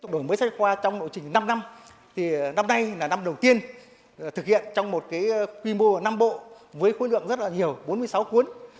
đổi mới sách khoa trong lộ trình năm năm thì năm nay là năm đầu tiên thực hiện trong một quy mô ở năm bộ với khối lượng rất là nhiều bốn mươi sáu cuốn